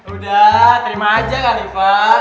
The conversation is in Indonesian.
udah terima aja kan rifa